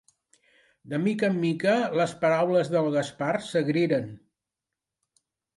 De mica en mica les paraules del Gaspar s'agriran.